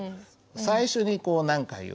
最初にこう何か言う。